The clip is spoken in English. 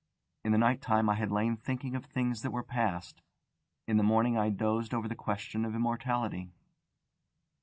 In the night time I had lain thinking of things that were past; in the morning I dozed over the question of immortality.